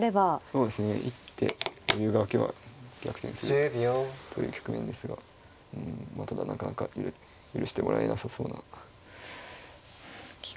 そうですね一手余裕があけば逆転するという局面ですがうんただなかなか許してもらえなさそうな気がします。